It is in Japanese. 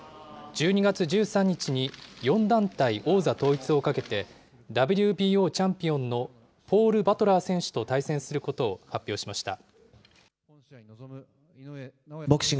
１２月１３日に、４団体王座統一をかけて、ＷＢＯチャンピオンのポール・バトラー選手と対戦することを発表しました。